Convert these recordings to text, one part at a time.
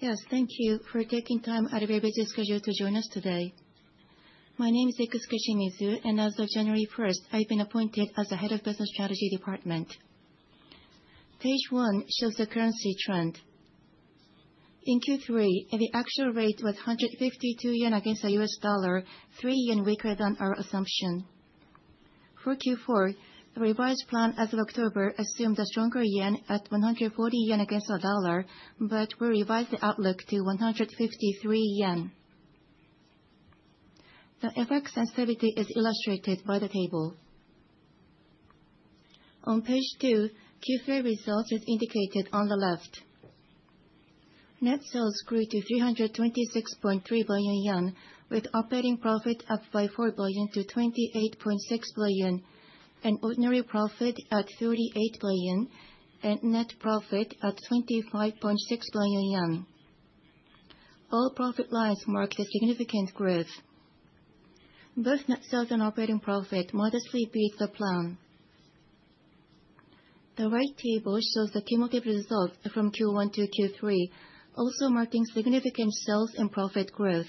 Yes, thank you for taking time out of your busy schedule to join us today. My name Ikusuke Shimizu, and as of January 1st, I've been appointed as the Head of Business Strategy Department. Page one shows the currency trend. In Q3, the actual rate was 152 yen against the USD, JPY 3 weaker than our assumption. For Q4, the revised plan as of October assumed a stronger yen at 140 yen against the dollar, but we revised the outlook to 153 yen. The FX sensitivity is illustrated by the table. On page 2, Q3 results are indicated on the left. Net sales grew to 326.3 billion yen, with operating profit up by 4 billion JPY to 28.6 billion JPY, and ordinary profit at 38 billion JPY, and net profit at 25.6 billion yen. All profit lines marked significant growth. Both net sales and operating profit modestly beat the plan. The right table shows the cumulative results from Q1 to Q3, also marking significant sales and profit growth.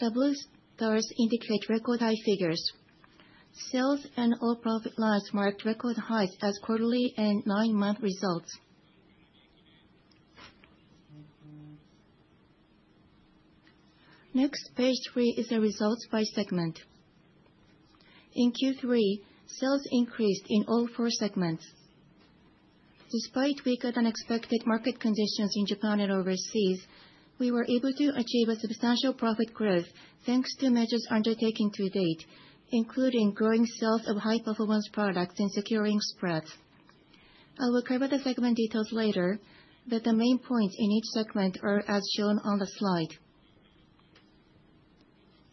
The blue stars indicate record high figures. Sales and all profit lines marked record highs as quarterly and nine-month results. Next, page 3 is the results by segment. In Q3, sales increased in all 4 segments. Despite weaker than expected market conditions in Japan and overseas, we were able to achieve a substantial profit growth thanks to measures undertaken to date, including growing sales of high-performance products and securing spreads. I will cover the segment details later, but the main points in each segment are as shown on the slide.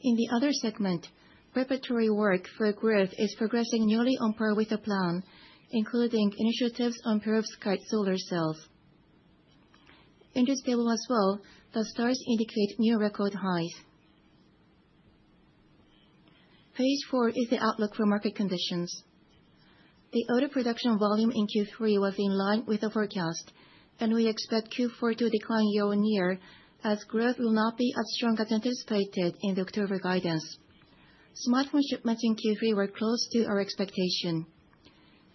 In the Other segment, preparatory work for growth is progressing nearly on par with the plan, including initiatives on perovskite solar cells. In this table as well, the stars indicate new record highs. Page 4 is the outlook for market conditions. The order production volume in Q3 was in line with the forecast, and we expect Q4 to decline year on year as growth will not be as strong as anticipated in the October guidance. Smartphone shipments in Q3 were close to our expectation.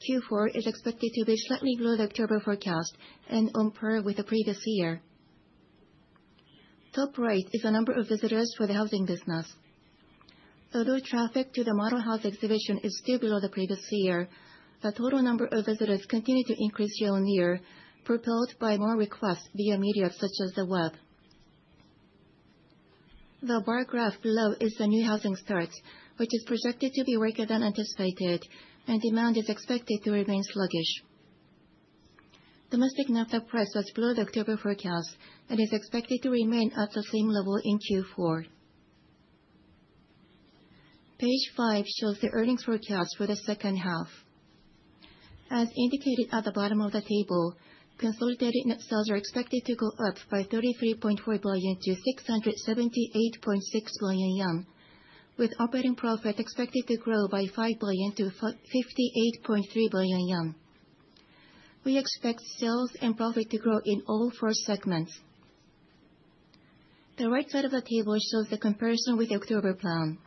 Q4 is expected to be slightly below the October forecast and on par with the previous year. Traffic rate is the number of visitors for the housing business. Although traffic to the model house exhibition is still below the previous year, the total number of visitors continued to increase year on year, propelled by more requests via media such as the web. The bar graph below is the new housing starts, which is projected to be weaker than anticipated, and demand is expected to remain sluggish. Domestic naphtha price was below the October forecast and is expected to remain at the same level in Q4. Page 5 shows the earnings forecast for the second half. As indicated at the bottom of the table, consolidated net sales are expected to go up by 33.4 billion to 678.6 billion yen JPY, with operating profit expected to grow by 5 billion JPY to 58.3 billion yen. We expect sales and profit to grow in all four segments. The right side of the table shows the comparison with the October plan.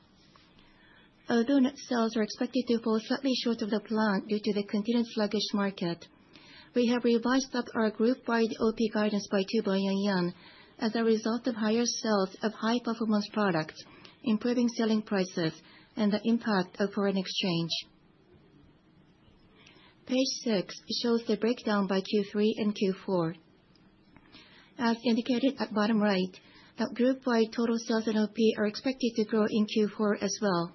Although net sales are expected to fall slightly short of the plan due to the continued sluggish market, we have revised up our group-wide the OP guidance by 2 billion yen as a result of higher sales of high-performance products, improving selling prices, and the impact of foreign exchange. Page 6 shows the breakdown by Q3 and Q4. As indicated at bottom right, the group-wide total sales and OP are expected to grow in Q4 as well.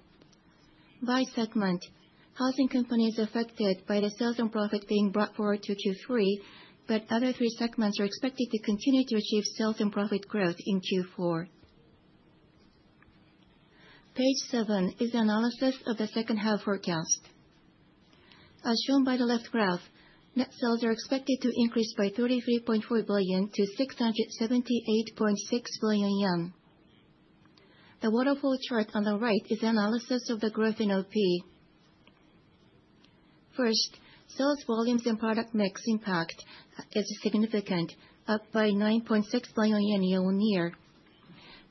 By segment, Housing Company is affected by the sales and profit being brought forward to Q3, but other three segments are expected to continue to achieve sales and profit growth in Q4. Page 7 is the analysis of the second half forecast. As shown by the left graph, net sales are expected to increase by 33.4 billion JPY to 678.6 billion yen. The waterfall chart on the right is the analysis of the growth in OP. First, sales volumes and product mix impact is significant, up by 9.6 billion yen year on year.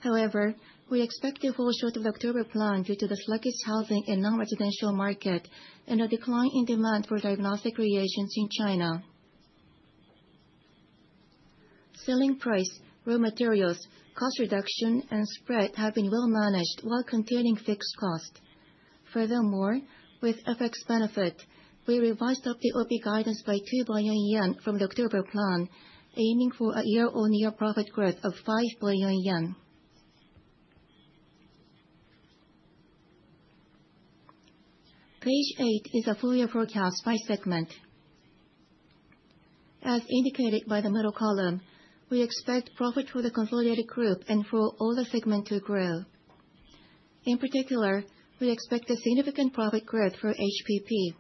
However, we expect to fall short of the October plan due to the sluggish housing and non-residential market and a decline in demand for diagnostic reagents in China. Selling price, raw materials, cost reduction, and spread have been well managed while containing fixed cost. Furthermore, with FX benefit, we revised up the OP guidance by 2 billion yen from the October plan, aiming for a year-on-year profit growth of 5 billion yen. Page 8 is the full year forecast by segment. As indicated by the middle column, we expect profit for the consolidated group and for all the segment to grow. In particular, we expect a significant profit growth for HPP.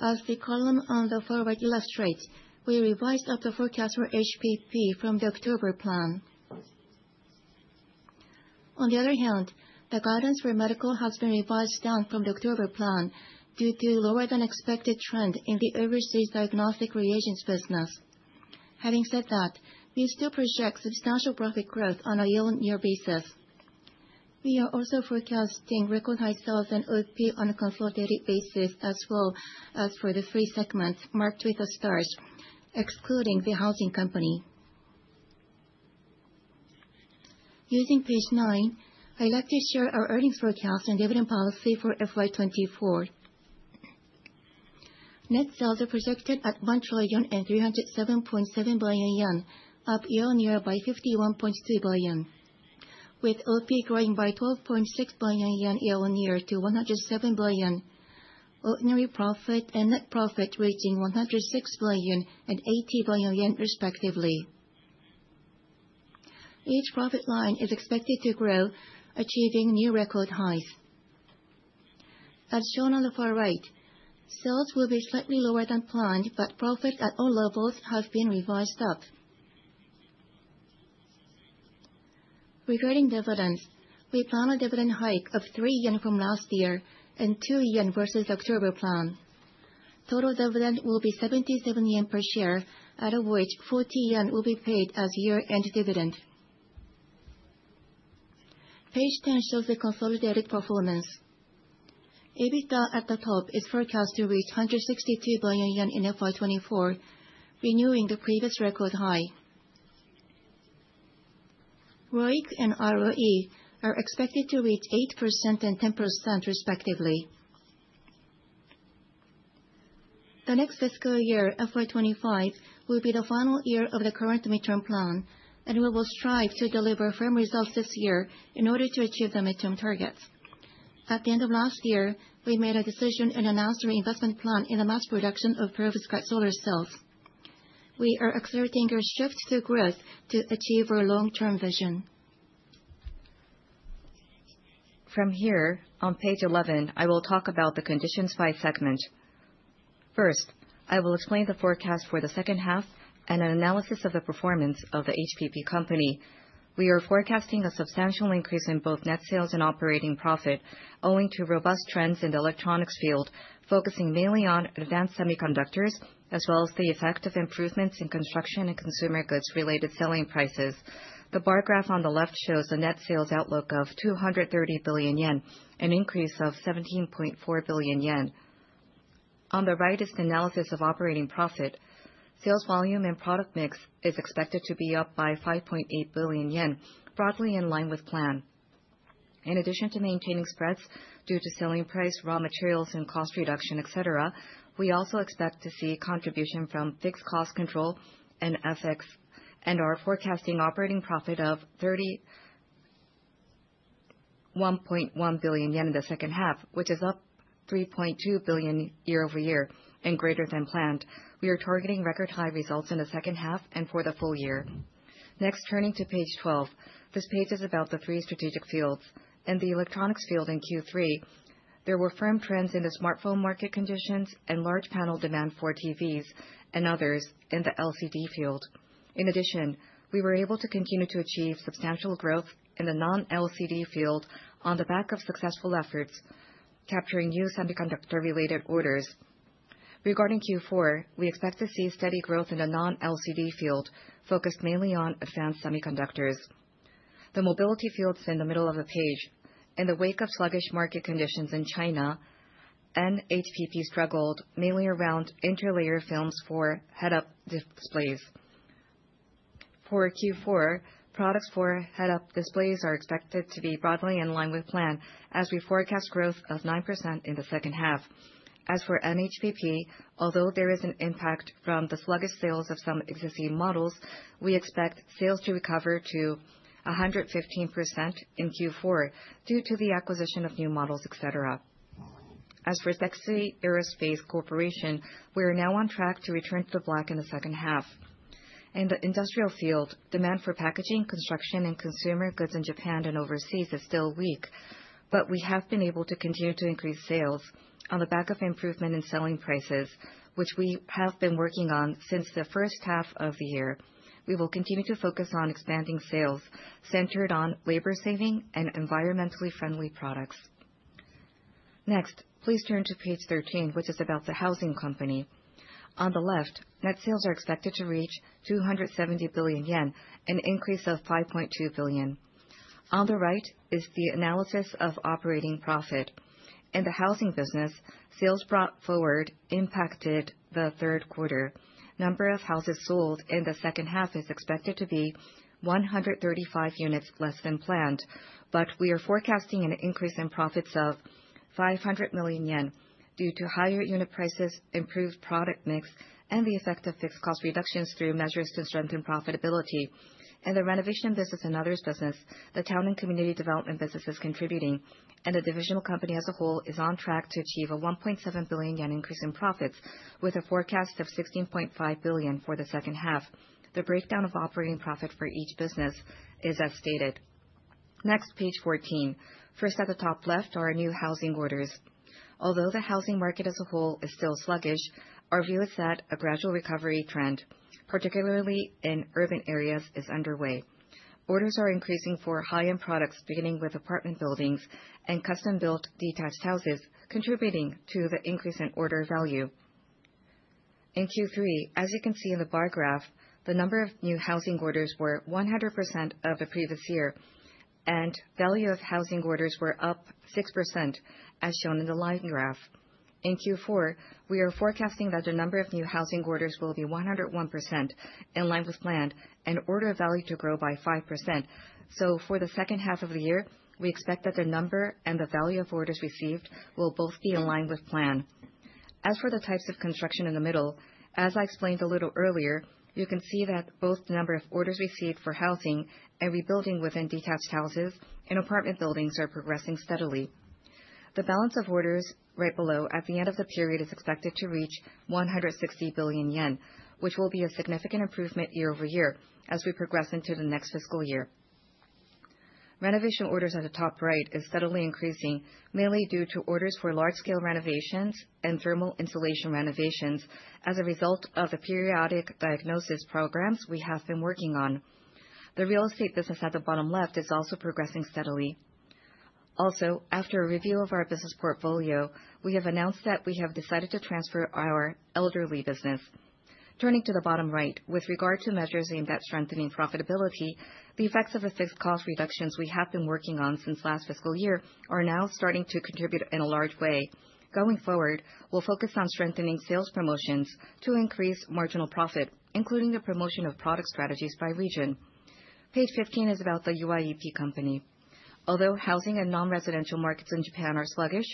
As the column on the far right illustrates, we revised up the forecast for HPP from the October plan. On the other hand, the guidance for Medical has been revised down from the October plan due to lower than expected trend in the overseas diagnostics reagents business. Having said that, we still project substantial profit growth on a year-on-year basis. We are also forecasting record high sales and OP on a consolidated basis as well as for the 3 segments marked with the stars, excluding the Housing Company. Using page 9, I'd like to share our earnings forecast and dividend policy for FY24. Net sales are projected at 1 trillion JPY and 307.7 billion yen, up year-on-year by 51.2 billion JPY, with OP growing by 12.6 billion yen year-on-year to107 billion, ordinary profit and net profit reaching 106 billion and 80 billion yen respectively. Each profit line is expected to grow, achieving new record highs. As shown on the far right, sales will be slightly lower than planned, but profits at all levels have been revised up. Regarding dividends, we plan a dividend hike of 3 yen from last year and 2 yen versus the October plan. Total dividend will be 77 yen per share, out of which 40 yen will be paid as year-end dividend. Page 10 shows the consolidated performance. EBITDA at the top is forecast to reach 162 billion yen in FY24, renewing the previous record high. ROIC and ROE are expected to reach 8% and 10% respectively. The next fiscal year, FY25, will be the final year of the current midterm plan, and we will strive to deliver firm results this year in order to achieve the midterm targets. At the end of last year, we made a decision and announced our investment plan in the mass production of perovskite solar cells. We are accelerating our shift to growth to achieve our long-term vision. From here, on page 11, I will talk about the conditions by segment. First, I will explain the forecast for the second half and an analysis of the performance of the HPP Company. We are forecasting a substantial increase in both net sales and operating profit, owing to robust trends in the electronics field, focusing mainly on advanced semiconductors, as well as the effect of improvements in construction and consumer goods-related selling prices. The bar graph on the left shows the net sales outlook of 230 billion yen, an increase of 17.4 billion yen. On the right is the analysis of operating profit. Sales volume and product mix is expected to be up by 5.8 billion yen, broadly in line with plan. In addition to maintaining spreads due to selling price, raw materials, and cost reduction, etc., we also expect to see contribution from fixed cost control and effects, and are forecasting operating profit of 31.1 billion yen in the second half, which is up 3.2 billion year-over-year and greater than planned. We are targeting record high results in the second half and for the full year. Next, turning to page 12, this page is about the three strategic fields. In the electronics field in Q3, there were firm trends in the smartphone market conditions and large panel demand for TVs and others in the LCD field. In addition, we were able to continue to achieve substantial growth in the non-LCD field on the back of successful efforts capturing new semiconductor-related orders. Regarding Q4, we expect to see steady growth in the non-LCD field, focused mainly on advanced semiconductors. The mobility field is in the middle of the page. In the wake of sluggish market conditions in China, HPP struggled mainly around interlayer films for head-up displays. For Q4, products for head-up displays are expected to be broadly in line with plan as we forecast growth of 9% in the second half. As for HPP, although there is an impact from the sluggish sales of some existing models, we expect sales to recover to 115% in Q4 due to the acquisition of new models, etc. As for Sekisui Aerospace Corporation, we are now on track to return to the black in the second half. In the industrial field, demand for packaging, construction, and consumer goods in Japan and overseas is still weak, but we have been able to continue to increase sales on the back of improvement in selling prices, which we have been working on since the first half of the year. We will continue to focus on expanding sales centered on labor-saving and environmentally friendly products. Next, please turn to page 13, which is about the Housing Company. On the left, net sales are expected to reach 270 billion yen, an increase of 5.2 billion. On the right is the analysis of operating profit. In the housing business, sales brought forward impacted the third quarter. Number of houses sold in the second half is expected to be 135 units less than planned, but we are forecasting an increase in profits of 500 million yen due to higher unit prices, improved product mix, and the effect of fixed cost reductions through measures to strengthen profitability. In the Renovation Business and others business, the Town and Community Development Business is contributing, and the divisional company as a whole is on track to achieve a 1.7 billion yen increase in profits with a forecast of 16.5 billion for the second half. The breakdown of operating profit for each business is as stated. Next, page 14. First at the top left are our new housing orders. Although the housing market as a whole is still sluggish, our view is that a gradual recovery trend, particularly in urban areas, is underway. Orders are increasing for high-end products beginning with apartment buildings and custom-built detached houses, contributing to the increase in order value. In Q3, as you can see in the bar graph, the number of new housing orders were 100% of the previous year, and value of housing orders were up 6%, as shown in the line graph. In Q4, we are forecasting that the number of new housing orders will be 101%, in line with plan, and order value to grow by 5%. So, for the second half of the year, we expect that the number and the value of orders received will both be in line with plan. As for the types of construction in the middle, as I explained a little earlier, you can see that both the number of orders received for housing and rebuilding within detached houses and apartment buildings are progressing steadily. The balance of orders right below at the end of the period is expected to reach 160 billion yen, which will be a significant improvement year-over-year as we progress into the next fiscal year. Renovation orders at the top right are steadily increasing, mainly due to orders for large-scale renovations and thermal insulation renovations as a result of the periodic diagnosis programs we have been working on. The Real Estate Business at the bottom left is also progressing steadily. Also, after a review of our business portfolio, we have announced that we have decided to transfer our elderly business. Turning to the bottom right, with regard to measures aimed at strengthening profitability, the effects of the fixed cost reductions we have been working on since last fiscal year are now starting to contribute in a large way. Going forward, we'll focus on strengthening sales promotions to increase marginal profit, including the promotion of product strategies by region. Page 15 is about the UIEP Company. Although housing and non-residential markets in Japan are sluggish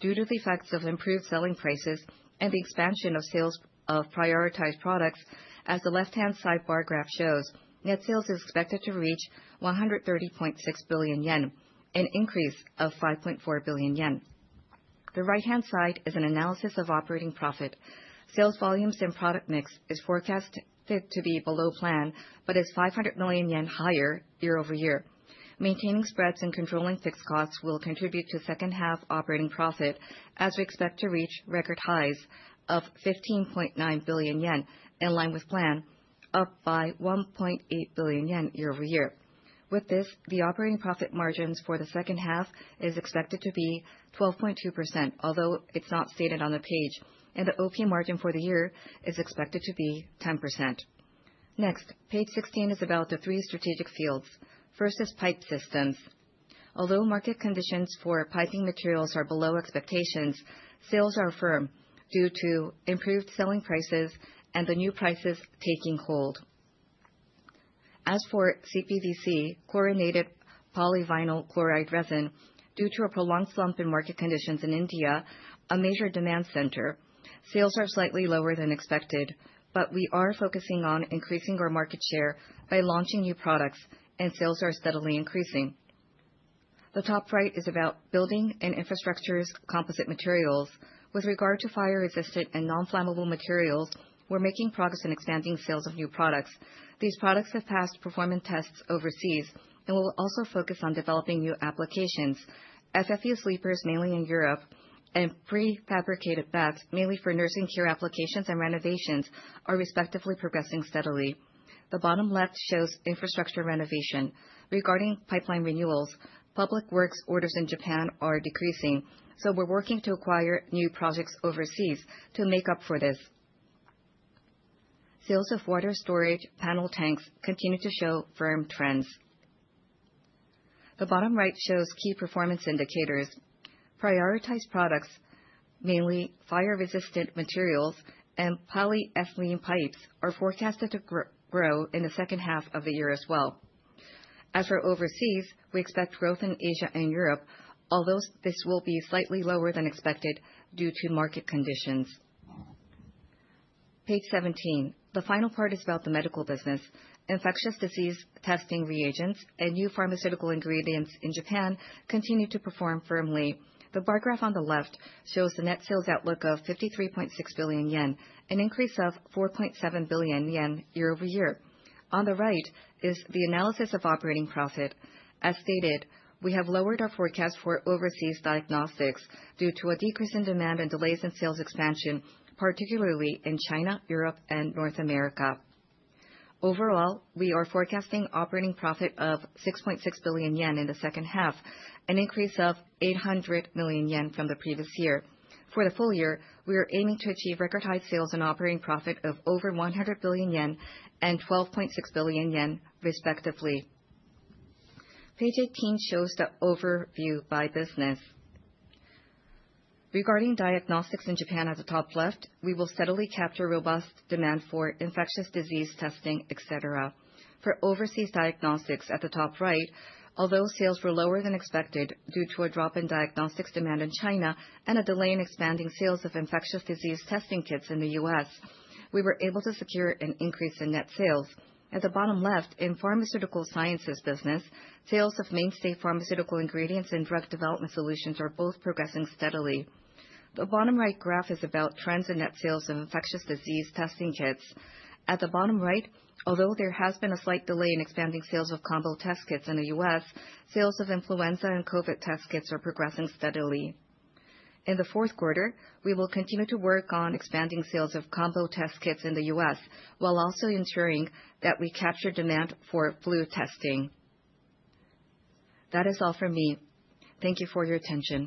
due to the effects of improved selling prices and the expansion of sales of prioritized products, as the left-hand side bar graph shows, net sales is expected to reach 130.6 billion yen, an increase of 5.4 billion yen. The right-hand side is an analysis of operating profit. Sales volumes and product mix are forecast to be below plan, but is 500 million yen higher year-over-year. Maintaining spreads and controlling fixed costs will contribute to second half operating profit, as we expect to reach record highs of 15.9 billion yen, in line with plan, up by 1.8 billion yen year-over-year. With this, the operating profit margins for the second half are expected to be 12.2%, although it's not stated on the page, and the OP margin for the year is expected to be 10%. Next, page 16 is about the three strategic fields. First is Pipe Systems. Although market conditions for piping materials are below expectations, sales are firm due to improved selling prices and the new prices taking hold. As for CPVC, chlorinated polyvinyl chloride resin, due to a prolonged slump in market conditions in India, a major demand center, sales are slightly lower than expected, but we are focusing on increasing our market share by launching new products, and sales are steadily increasing. The top right is about building and infrastructure's composite materials. With regard to fire-resistant and non-flammable materials, we're making progress in expanding sales of new products. These products have passed performance tests overseas, and we'll also focus on developing new applications. FFU sleepers, mainly in Europe, and prefabricated beds, mainly for nursing care applications and renovations, are respectively progressing steadily. The bottom left shows Infrastructure Renovation. Regarding pipeline renewals, public works orders in Japan are decreasing, so we're working to acquire new projects overseas to make up for this. Sales of water storage panel tanks continue to show firm trends. The bottom right shows key performance indicators. Prioritized products, mainly fire-resistant materials and polyethylene pipes, are forecasted to grow in the second half of the year as well. As for overseas, we expect growth in Asia and Europe, although this will be slightly lower than expected due to market conditions. Page 17, the final part is about the Medical Business. Infectious disease testing reagents and new pharmaceutical ingredients in Japan continue to perform firmly. The bar graph on the left shows the net sales outlook of 53.6 billion yen, an increase of 4.7 billion yen year-over-year. On the right is the analysis of operating profit. As stated, we have lowered our forecast for overseas diagnostics due to a decrease in demand and delays in sales expansion, particularly in China, Europe, and North America. Overall, we are forecasting operating profit of 6.6 billion yen in the second half, an increase of 800 million yen from the previous year. For the full year, we are aiming to achieve record high sales and operating profit of over 100 billion yen and 12.6 billion yen, respectively. Page 18 shows the overview by business. Regarding diagnostics in Japan at the top left, we will steadily capture robust demand for infectious disease testing, etc. For overseas diagnostics at the top right, although sales were lower than expected due to a drop in diagnostics demand in China and a delay in expanding sales of infectious disease testing kits in the U.S., we were able to secure an increase in net sales. At the bottom left, in Pharmaceutical Sciences Business, sales of mainstay pharmaceutical ingredients and drug development solutions are both progressing steadily. The bottom right graph is about trends in net sales of infectious disease testing kits. At the bottom right, although there has been a slight delay in expanding sales of combo test kits in the U.S., sales of influenza and COVID test kits are progressing steadily. In the fourth quarter, we will continue to work on expanding sales of combo test kits in the U.S., while also ensuring that we capture demand for flu testing. That is all from me. Thank you for your attention.